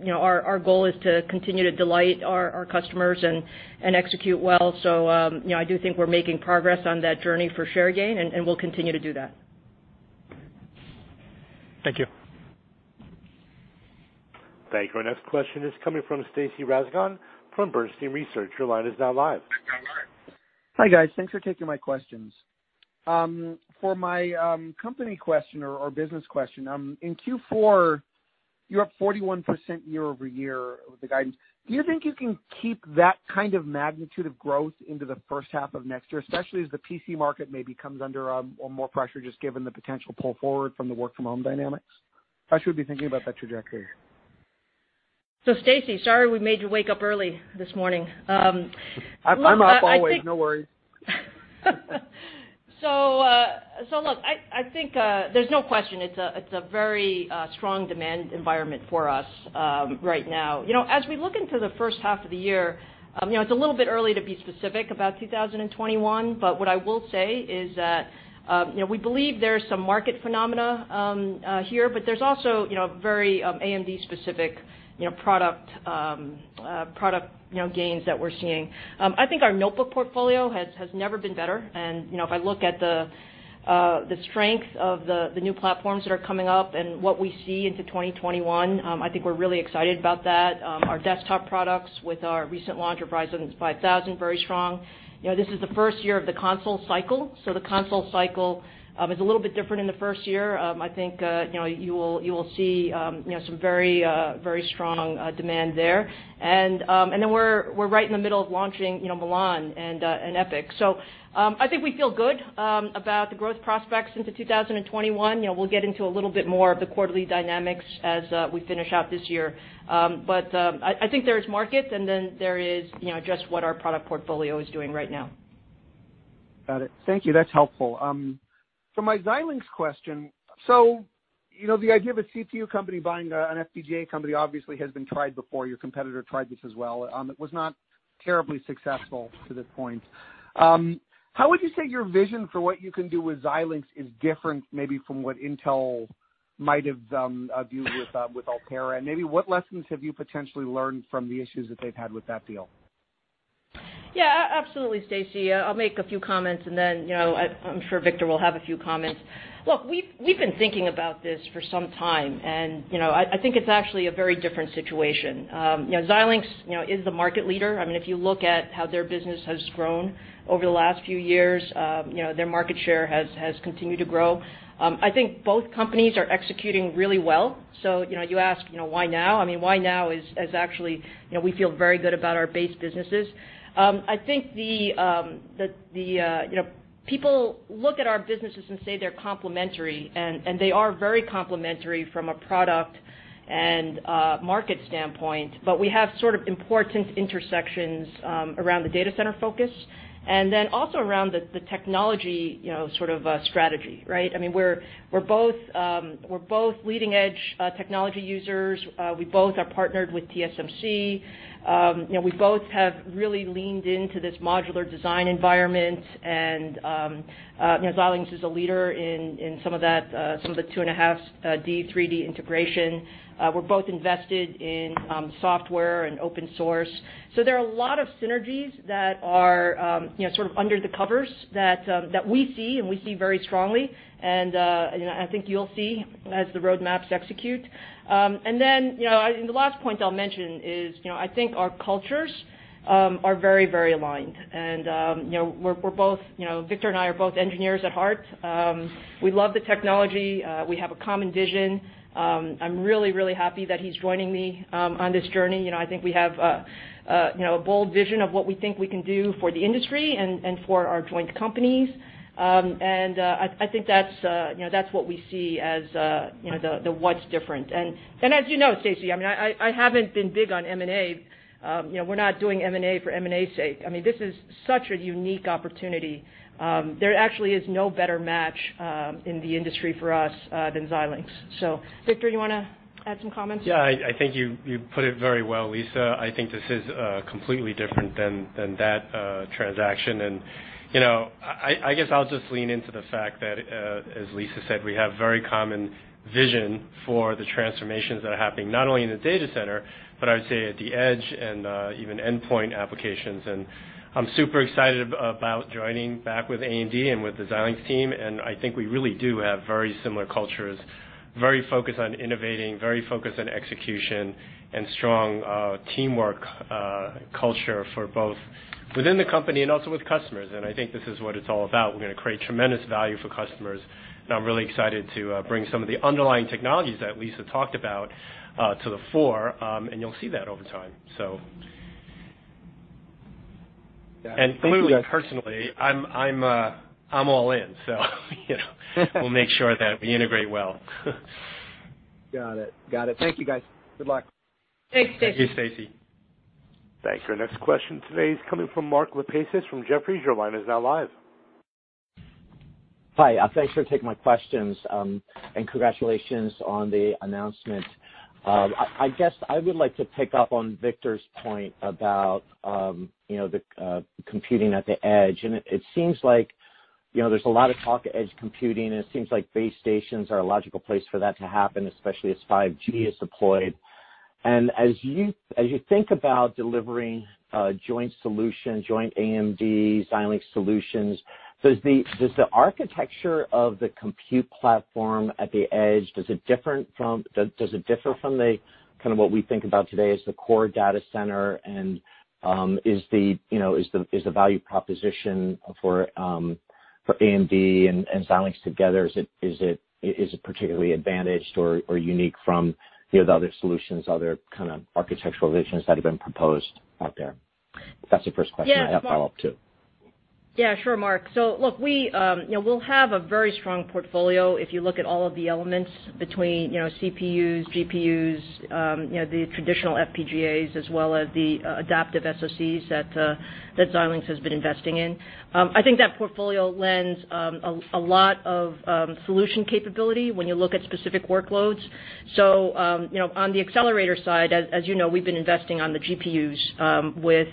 [SPEAKER 3] our goal is to continue to delight our customers and execute well. I do think we're making progress on that journey for share gain, and we'll continue to do that.
[SPEAKER 8] Thank you.
[SPEAKER 1] Thank you. Our next question is coming from Stacy Rasgon from Bernstein Research. Your line is now live.
[SPEAKER 9] Hi, guys. Thanks for taking my questions. For my company question or business question, in Q4, you're up 41% year-over-year with the guidance. Do you think you can keep that kind of magnitude of growth into the first half of next year, especially as the PC market maybe comes under more pressure, just given the potential pull forward from the work from home dynamics? How should we be thinking about that trajectory?
[SPEAKER 3] Stacy, sorry we made you wake up early this morning.
[SPEAKER 9] I'm up always, no worries.
[SPEAKER 3] Look, I think there's no question it's a very strong demand environment for us right now. We look into the first half of the year, it's a little bit early to be specific about 2021. What I will say is that we believe there is some market phenomena here, but there's also very AMD specific product gains that we're seeing. I think our notebook portfolio has never been better. If I look at the strength of the new platforms that are coming up and what we see into 2021, I think we're really excited about that. Our desktop products with our recent launch of Ryzen 5000, very strong. This is the first year of the console cycle. The console cycle is a little bit different in the first year. I think you will see some very strong demand there. We're right in the middle of launching Milan and EPYC. I think we feel good about the growth prospects into 2021. We'll get into a little bit more of the quarterly dynamics as we finish out this year. I think there is markets and then there is just what our product portfolio is doing right now.
[SPEAKER 9] Got it. Thank you. That's helpful. For my Xilinx question, the idea of a CPU company buying an FPGA company obviously has been tried before. Your competitor tried this as well. It was not terribly successful to this point. How would you say your vision for what you can do with Xilinx is different maybe from what Intel might have viewed with Altera? Maybe what lessons have you potentially learned from the issues that they've had with that deal?
[SPEAKER 3] Yeah, absolutely, Stacy. I'll make a few comments, and then I'm sure Victor will have a few comments. Look, we've been thinking about this for some time, and I think it's actually a very different situation. Xilinx is the market leader. If you look at how their business has grown over the last few years, their market share has continued to grow. I think both companies are executing really well. You ask, why now? Why now is actually, we feel very good about our base businesses. I think people look at our businesses and say they're complementary, and they are very complementary from a product and market standpoint, but we have sort of important intersections around the data center focus and then also around the technology sort of strategy, right? We're both leading-edge technology users. We both are partnered with TSMC. We both have really leaned into this modular design environment, and Xilinx is a leader in some of the 2.5D 3D integration. We're both invested in software and open source. There are a lot of synergies that are sort of under the covers that we see and we see very strongly, and I think you'll see as the roadmaps execute. The last point I'll mention is I think our cultures are very aligned. Victor and I are both engineers at heart. We love the technology. We have a common vision. I'm really happy that he's joining me on this journey. I think we have a bold vision of what we think we can do for the industry and for our joint companies. I think that's what we see as the what's different. As you know, Stacy, I haven't been big on M&A. We're not doing M&A for M&A's sake. This is such a unique opportunity. There actually is no better match in the industry for us than Xilinx. Victor, you want to add some comments?
[SPEAKER 5] Yeah, I think you put it very well, Lisa. I think this is completely different than that transaction. I guess I'll just lean into the fact that, as Lisa said, we have very common vision for the transformations that are happening, not only in the data center, but I would say at the edge and even endpoint applications. I'm super excited about joining back with AMD and with the Xilinx team, and I think we really do have very similar cultures, very focused on innovating, very focused on execution, and strong teamwork culture for both within the company and also with customers. I think this is what it's all about. We're going to create tremendous value for customers, and I'm really excited to bring some of the underlying technologies that Lisa talked about to the fore, and you'll see that over time. Clearly, personally, I'm all in, so we'll make sure that we integrate well.
[SPEAKER 9] Got it. Thank you guys. Good luck.
[SPEAKER 3] Thanks, Stacy.
[SPEAKER 5] Thank you, Stacy.
[SPEAKER 1] Thanks. Our next question today is coming from Mark Lipacis from Jefferies. Your line is now live.
[SPEAKER 10] Hi. Thanks for taking my questions, and congratulations on the announcement. I guess I would like to pick up on Victor's point about the computing at the edge. It seems like there's a lot of talk of edge computing, and it seems like base stations are a logical place for that to happen, especially as 5G is deployed. As you think about delivering a joint solution, joint AMD-Xilinx solutions, does the architecture of the compute platform at the edge, does it differ from what we think about today as the core data center? Is the value proposition for AMD and Xilinx together, is it particularly advantaged or unique from the other solutions, other kind of architectural visions that have been proposed out there? That's the first question. I have a follow-up, too.
[SPEAKER 3] Yeah, sure, Mark. Look, we'll have a very strong portfolio if you look at all of the elements between CPUs, GPUs, the traditional FPGAs, as well as the adaptive SoCs that Xilinx has been investing in. I think that portfolio lends a lot of solution capability when you look at specific workloads. On the accelerator side, as you know, we've been investing on the GPUs with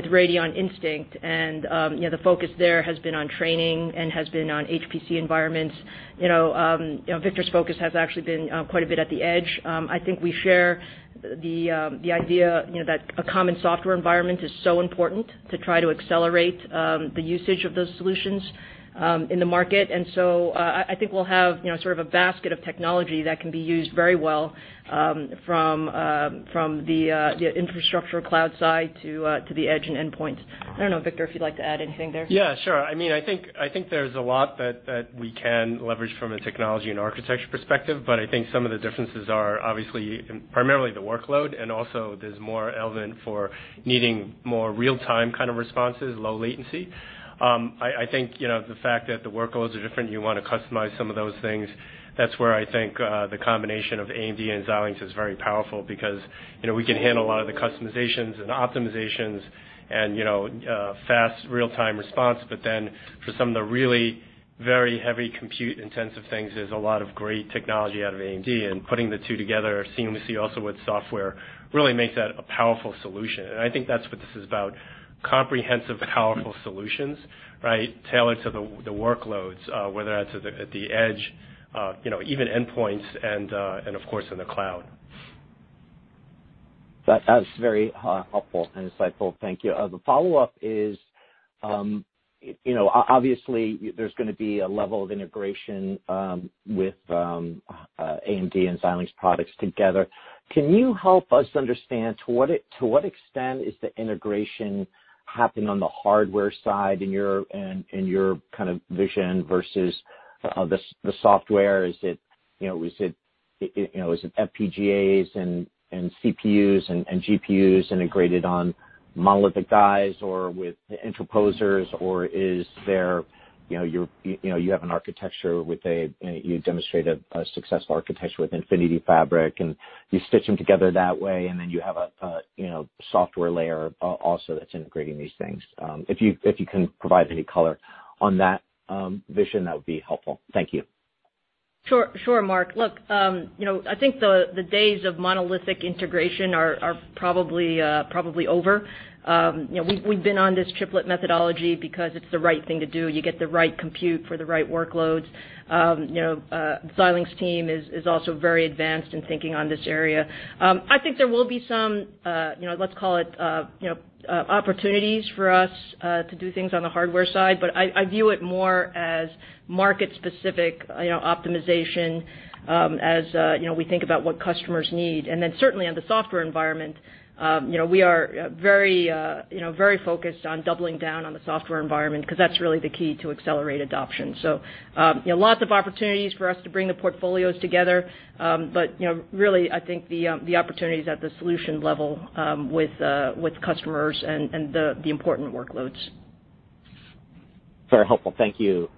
[SPEAKER 3] Radeon Instinct, and the focus there has been on training and has been on HPC environments. Victor's focus has actually been quite a bit at the edge. I think we share the idea that a common software environment is so important to try to accelerate the usage of those solutions in the market. I think we'll have sort of a basket of technology that can be used very well from the infrastructure cloud side to the edge and endpoints. I don't know, Victor, if you'd like to add anything there?
[SPEAKER 5] Yeah, sure. I think there's a lot that we can leverage from a technology and architecture perspective, I think some of the differences are obviously primarily the workload, also there's more element for needing more real-time kind of responses, low latency. I think the fact that the workloads are different, you want to customize some of those things. That's where I think the combination of AMD and Xilinx is very powerful because we can handle a lot of the customizations and optimizations and fast real-time response. For some of the really very heavy compute-intensive things, there's a lot of great technology out of AMD, putting the two together seamlessly also with software really makes that a powerful solution. I think that's what this is about, comprehensive, powerful solutions, right? Tailored to the workloads, whether that's at the edge, even endpoints and, of course, in the cloud.
[SPEAKER 10] That's very helpful and insightful. Thank you. The follow-up is, obviously, there's going to be a level of integration with AMD and Xilinx products together. Can you help us understand to what extent is the integration happening on the hardware side in your kind of vision versus the software? Is it FPGAs and CPUs and GPUs integrated on monolithic dies or with interposers? Or you demonstrate a successful architecture with Infinity Fabric, and you stitch them together that way, and then you have a software layer also that's integrating these things. If you can provide any color on that vision, that would be helpful. Thank you.
[SPEAKER 3] Sure, Mark. Look, I think the days of monolithic integration are probably over. We've been on this chiplet methodology because it's the right thing to do. You get the right compute for the right workloads. Xilinx team is also very advanced in thinking on this area. I think there will be some, let's call it, opportunities for us to do things on the hardware side, but I view it more as market-specific optimization as we think about what customers need. Certainly on the software environment, we are very focused on doubling down on the software environment because that's really the key to accelerate adoption. Lots of opportunities for us to bring the portfolios together. Really, I think the opportunity is at the solution level with customers and the important workloads.
[SPEAKER 10] Very helpful. Thank you.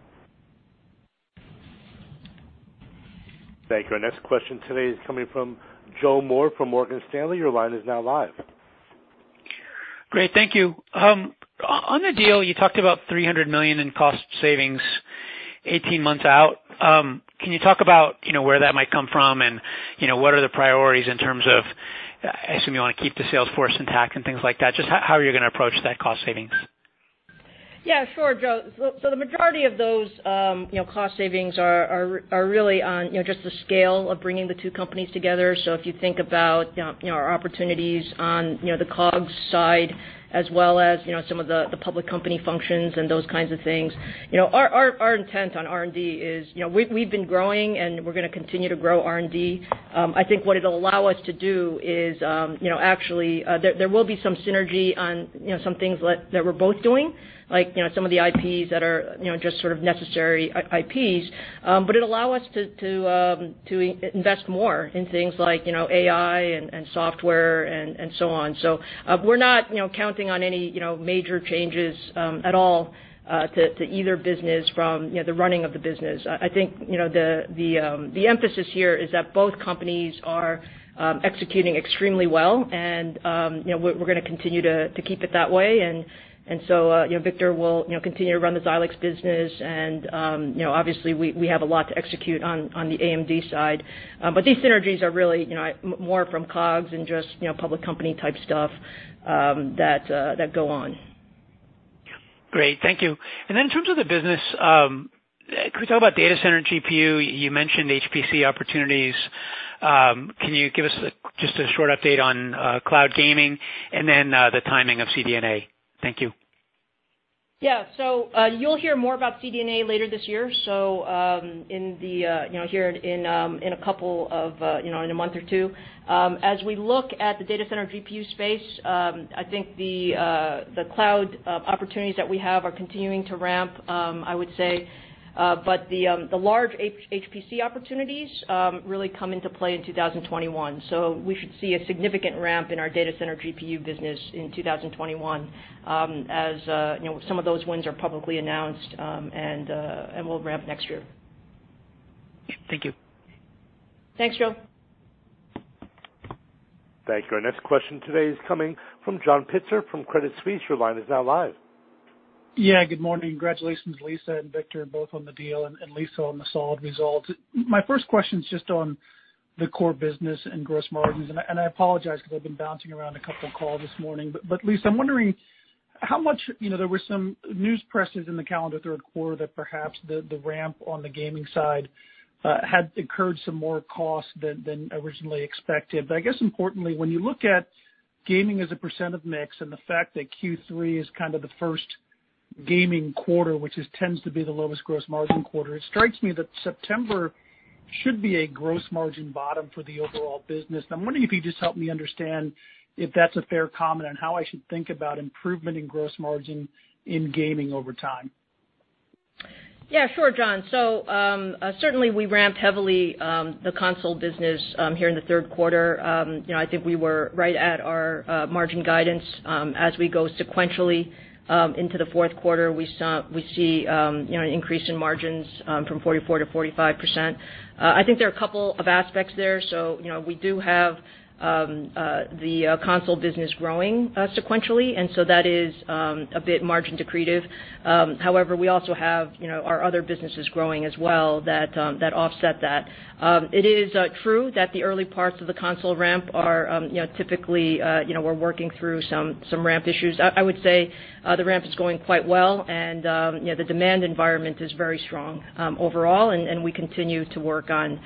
[SPEAKER 1] Thank you. Our next question today is coming from Joe Moore from Morgan Stanley. Your line is now live.
[SPEAKER 11] Great. Thank you. On the deal, you talked about $300 million in cost savings 18 months out. Can you talk about where that might come from and what are the priorities in terms of, I assume you want to keep the sales force intact and things like that. Just how are you going to approach that cost savings?
[SPEAKER 3] Yeah, sure, Joe. The majority of those cost savings are really on just the scale of bringing the two companies together. If you think about our opportunities on the COGS side, as well as some of the public company functions and those kinds of things. Our intent on R&D is, we've been growing, and we're going to continue to grow R&D. I think what it'll allow us to do is, actually, there will be some synergy on some things that we're both doing, like some of the IPs that are just sort of necessary IPs. It'll allow us to invest more in things like AI and software and so on. We're not counting on any major changes at all to either business from the running of the business. I think the emphasis here is that both companies are executing extremely well and we're going to continue to keep it that way. Victor will continue to run the Xilinx business and obviously we have a lot to execute on the AMD side. These synergies are really more from COGS and just public company type stuff that go on.
[SPEAKER 11] Great. Thank you. In terms of the business, could we talk about data center GPU? You mentioned HPC opportunities. Can you give us just a short update on cloud gaming and then the timing of CDNA? Thank you.
[SPEAKER 3] You'll hear more about CDNA later this year, so in a month or two. As we look at the data center GPU space, I think the cloud opportunities that we have are continuing to ramp, I would say. The large HPC opportunities really come into play in 2021. We should see a significant ramp in our data center GPU business in 2021 as some of those wins are publicly announced, and will ramp next year.
[SPEAKER 11] Thank you.
[SPEAKER 3] Thanks, Joe.
[SPEAKER 1] Thank you. Our next question today is coming from John Pitzer from Credit Suisse. Your line is now live.
[SPEAKER 12] Yeah, good morning. Congratulations, Lisa and Victor, both on the deal and Lisa on the solid results. My first question is just on the core business and gross margins, and I apologize because I've been bouncing around a couple calls this morning. Lisa, I'm wondering there was some news presses in the calendar third quarter that perhaps the ramp on the gaming side had incurred some more costs than originally expected. I guess importantly, when you look at gaming as a percent of mix and the fact that Q3 is kind of the first gaming quarter, which tends to be the lowest gross margin quarter, it strikes me that September should be a gross margin bottom for the overall business. I'm wondering if you could just help me understand if that's a fair comment on how I should think about improvement in gross margin in gaming over time?
[SPEAKER 3] Yeah, sure, John. Certainly we ramped heavily the console business here in the third quarter. I think we were right at our margin guidance. As we go sequentially into the fourth quarter, we see an increase in margins from 44%-45%. I think there are a couple of aspects there. We do have the console business growing sequentially, that is a bit margin dilutive. However, we also have our other businesses growing as well that offset that. It is true that the early parts of the console ramp are typically, we're working through some ramp issues. I would say the ramp is going quite well and the demand environment is very strong overall, and we continue to work on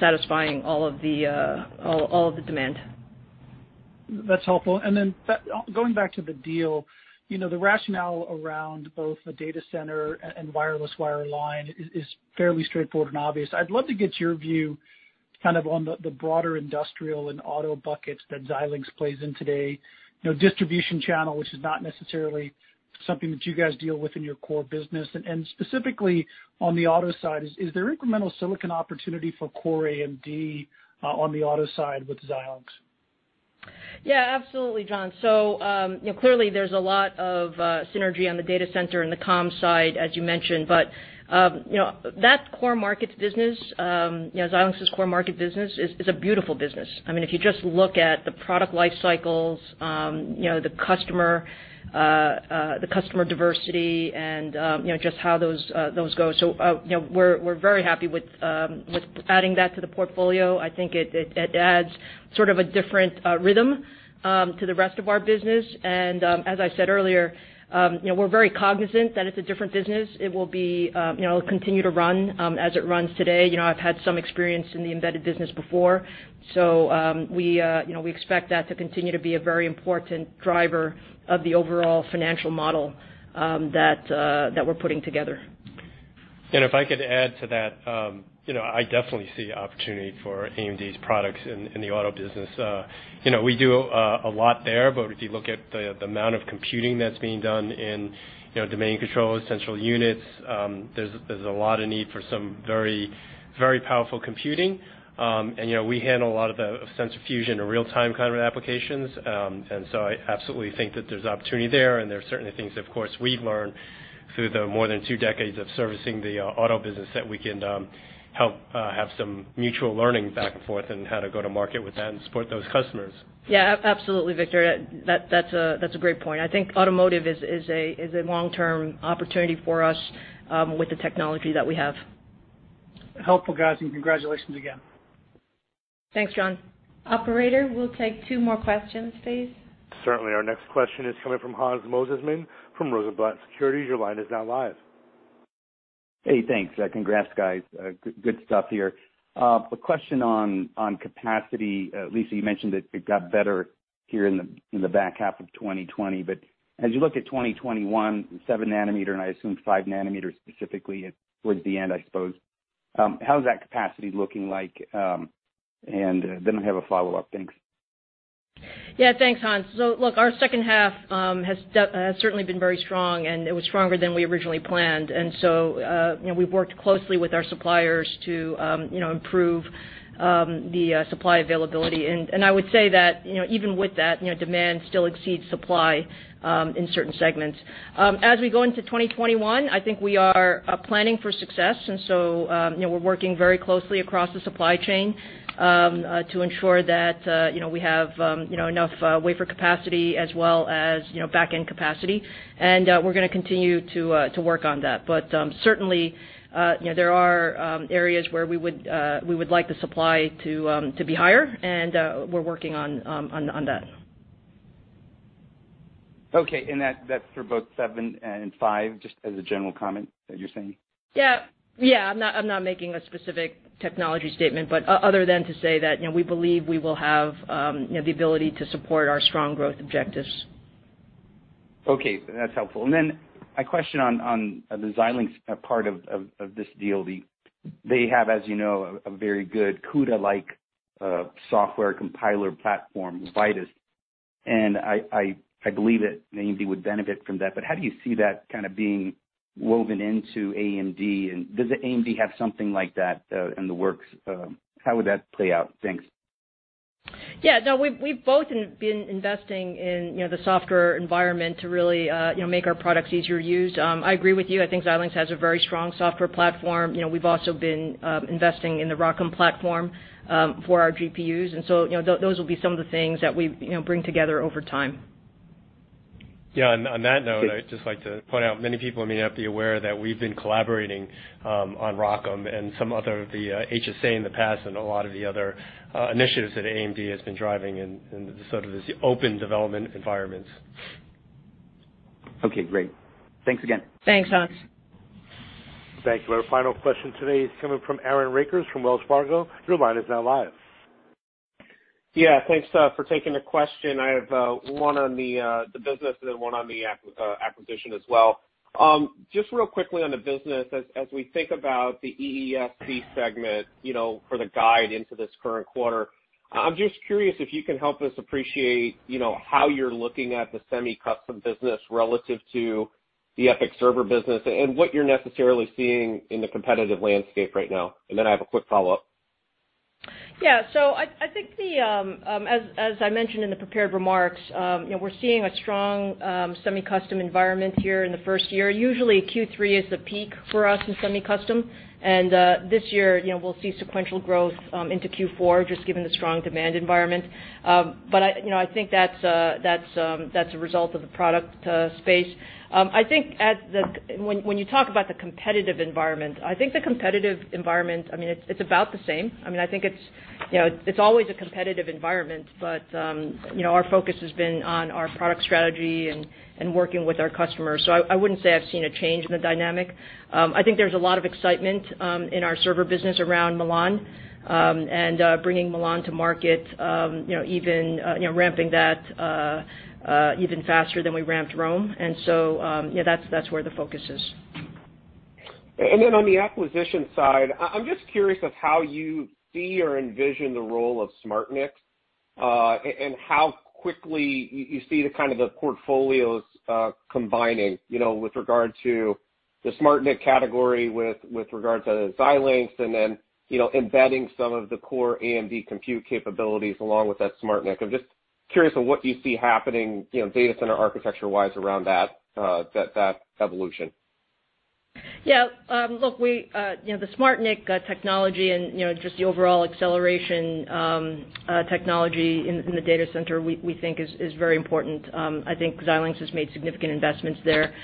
[SPEAKER 3] satisfying all of the demand.
[SPEAKER 12] That's helpful. Going back to the deal, the rationale around both the data center and wireless wireline is fairly straightforward and obvious. I'd love to get your view on the broader industrial and auto buckets that Xilinx plays in today. Distribution channel, which is not necessarily something that you guys deal with in your core business. Specifically on the auto side, is there incremental silicon opportunity for core AMD on the auto side with Xilinx?
[SPEAKER 3] Absolutely, John. Clearly there's a lot of synergy on the data center and the comms side, as you mentioned. That core markets business, Xilinx's core market business, is a beautiful business. If you just look at the product life cycles, the customer diversity and just how those go. We're very happy with adding that to the portfolio. I think it adds sort of a different rhythm to the rest of our business. As I said earlier, we're very cognizant that it's a different business. It will continue to run as it runs today. I've had some experience in the embedded business before, we expect that to continue to be a very important driver of the overall financial model that we're putting together.
[SPEAKER 5] If I could add to that, I definitely see opportunity for AMD's products in the auto business. We do a lot there, but if you look at the amount of computing that's being done in domain control essential units, there's a lot of need for some very powerful computing. We handle a lot of sensor fusion and real-time kind of applications. I absolutely think that there's opportunity there and there are certainly things, of course, we've learned through the more than two decades of servicing the auto business that we can help have some mutual learning back and forth on how to go to market with that and support those customers.
[SPEAKER 3] Yeah. Absolutely, Victor. That's a great point. I think automotive is a long-term opportunity for us with the technology that we have.
[SPEAKER 12] Helpful, guys, and congratulations again.
[SPEAKER 3] Thanks, John.
[SPEAKER 2] Operator, we'll take two more questions, please.
[SPEAKER 1] Certainly. Our next question is coming from Hans Mosesmann from Rosenblatt Securities. Your line is now live.
[SPEAKER 13] Hey, thanks. Congrats, guys. Good stuff here. A question on capacity. Lisa, you mentioned that it got better here in the back half of 2020. As you look at 2021 and seven nanometer, and I assume five nanometers specifically towards the end, I suppose, how's that capacity looking like? I have a follow-up. Thanks.
[SPEAKER 3] Thanks, Hans. Look, our second half has certainly been very strong, and it was stronger than we originally planned. We've worked closely with our suppliers to improve the supply availability. I would say that even with that, demand still exceeds supply in certain segments. As we go into 2021, I think we are planning for success, we're working very closely across the supply chain to ensure that we have enough wafer capacity as well as back-end capacity. We're going to continue to work on that. Certainly, there are areas where we would like the supply to be higher, and we're working on that.
[SPEAKER 13] Okay. That's for both seven and five, just as a general comment that you're saying?
[SPEAKER 3] Yeah. I'm not making a specific technology statement, but other than to say that we believe we will have the ability to support our strong growth objectives.
[SPEAKER 13] Okay. That's helpful. Then a question on the Xilinx part of this deal. They have, as you know, a very good CUDA-like software compiler platform, Vitis. I believe that AMD would benefit from that, but how do you see that kind of being woven into AMD, and does AMD have something like that in the works? How would that play out? Thanks.
[SPEAKER 3] Yeah. No, we've both been investing in the software environment to really make our products easier used. I agree with you. I think Xilinx has a very strong software platform. We've also been investing in the ROCm platform for our GPUs. Those will be some of the things that we bring together over time.
[SPEAKER 5] Yeah. On that note, I'd just like to point out, many people may not be aware that we've been collaborating on ROCm, the HSA in the past and a lot of the other initiatives that AMD has been driving in sort of this open development environments.
[SPEAKER 13] Okay, great. Thanks again.
[SPEAKER 3] Thanks, Hans.
[SPEAKER 1] Thank you. Our final question today is coming from Aaron Rakers from Wells Fargo. Your line is now live.
[SPEAKER 14] Yeah. Thanks for taking the question. I have one on the business and then one on the acquisition as well. Just real quickly on the business, as we think about the EESC segment for the guide into this current quarter, I'm just curious if you can help us appreciate how you're looking at the semi-custom business relative to the EPYC server business and what you're necessarily seeing in the competitive landscape right now. I have a quick follow-up.
[SPEAKER 3] I think as I mentioned in the prepared remarks, we're seeing a strong Semi-Custom environment here in the first year. Usually Q3 is the peak for us in Semi-Custom. This year, we'll see sequential growth into Q4, just given the strong demand environment. I think that's a result of the product space. I think when you talk about the competitive environment, I think the competitive environment, it's about the same. I think it's always a competitive environment, but our focus has been on our product strategy and working with our customers. I wouldn't say I've seen a change in the dynamic. I think there's a lot of excitement in our server business around Milan, and bringing Milan to market, ramping that even faster than we ramped Rome. That's where the focus is.
[SPEAKER 14] On the acquisition side, I'm just curious of how you see or envision the role of SmartNIC, and how quickly you see the kind of the portfolios combining with regard to the SmartNIC category with regard to Xilinx, and then embedding some of the core AMD compute capabilities along with that SmartNIC. I'm just curious on what you see happening data center architecture-wise around that evolution.
[SPEAKER 3] Yeah. Look, the SmartNIC technology and just the overall acceleration technology in the data center, we think is very important. I think Xilinx has made significant investments there.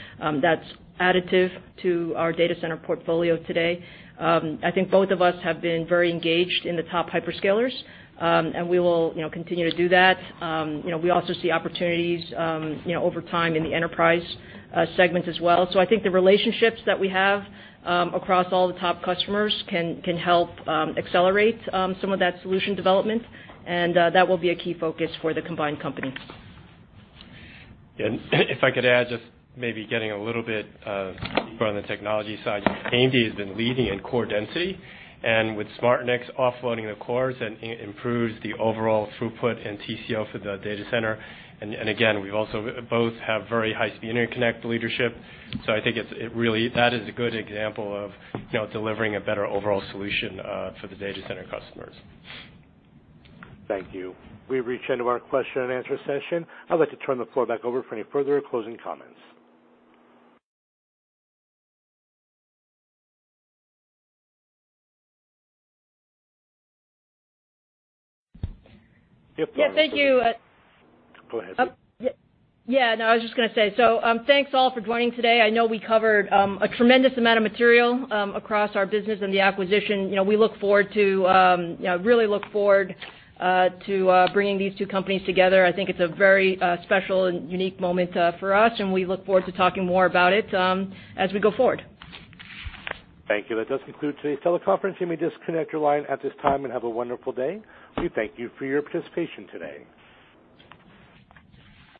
[SPEAKER 3] That's additive to our data center portfolio today. I think both of us have been very engaged in the top hyperscalers, and we will continue to do that. We also see opportunities over time in the enterprise segment as well. I think the relationships that we have across all the top customers can help accelerate some of that solution development, and that will be a key focus for the combined company.
[SPEAKER 5] If I could add, just maybe getting a little bit deeper on the technology side, AMD has been leading in core density, and with SmartNICs offloading the cores, it improves the overall throughput and TCO for the data center. Again, we also both have very high-speed interconnect leadership. I think that is a good example of delivering a better overall solution for the data center customers.
[SPEAKER 1] Thank you. We've reached the end of our question and answer session. I'd like to turn the floor back over for any further closing comments. Yeah.
[SPEAKER 3] Yeah. Thank you.
[SPEAKER 1] Go ahead.
[SPEAKER 3] Yeah. No, I was just going to say, thanks all for joining today. I know we covered a tremendous amount of material across our business and the acquisition. We really look forward to bringing these two companies together. I think it's a very special and unique moment for us, and we look forward to talking more about it as we go forward.
[SPEAKER 1] Thank you. That does conclude today's teleconference. You may disconnect your line at this time, have a wonderful day. We thank you for your participation today.